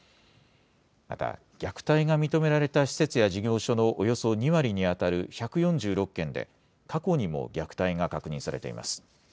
また、虐待が認められた施設や事業所のおよそ２割に当たる１４６件で、過去にも虐待が確認されています。